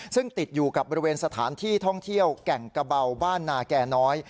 ซึ่งติดอยู่กับบริเวณสถานที่ท่องเที่ยวแก่งกระเบาบ้านนาแก่น้อย